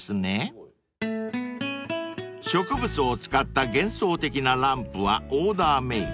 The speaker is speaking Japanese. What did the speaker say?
［植物を使った幻想的なランプはオーダーメード］